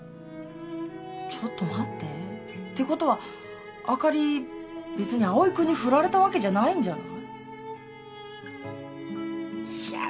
ちょっと待って。ってことはあかり別に葵君に振られたわけじゃないんじゃない？